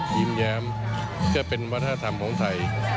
ยืมย้ำก็เป็นปัจถ่าธรรมของไทย